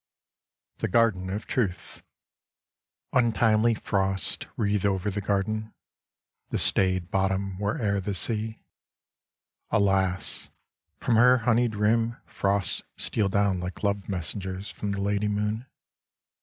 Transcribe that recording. THE GARDEN OF TRUTH Untimely frosts wreathe over the garden — ^the staid bottom were air the sea. Alas ! from her honeyed rim, frosts steal down like love messengers from the Lady Moon.